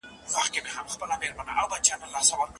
دا زده کړئ چي ستاسي ذهن څنګه کار کوي.